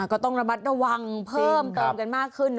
ก็ต้องระมัดระวังเพิ่มเติมกันมากขึ้น